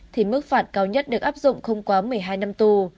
thì mức phạt cao nhất được áp dụng không quá một mươi hai năm tù